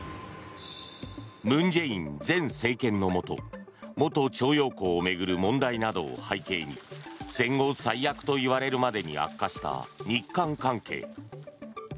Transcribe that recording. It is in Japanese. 文在寅前政権のもと元徴用工を巡る問題などを背景に戦後最悪と言われるまでに悪化した日韓関係。